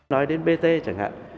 nói đến bt chẳng hạn